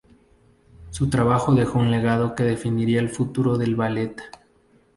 Su trabajo dejó un legado que definiría el futuro del ballet.